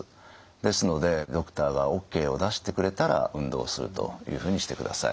ですのでドクターがＯＫを出してくれたら運動をするというふうにしてください。